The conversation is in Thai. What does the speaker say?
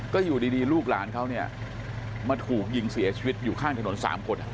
ก็อยู่ดีลูกหลานเขาเนี่ยมาถูกยิงเสียชีวิตอยู่ข้างถนน๓คน